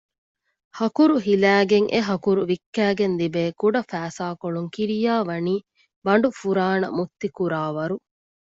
ހަކުރު ހިލައިގެން އެހަކުރު ވިއްކައިގެން ލިބޭ ކުޑަ ފައިސާކޮޅުން ކިރިޔާވަނީ ބަނޑުފުރާނަ މުއްތިކުރާވަރު